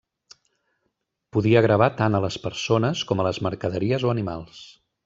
Podia gravar tant a les persones, com a les mercaderies o animals.